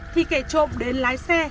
thì kẻ trộm đến lái xe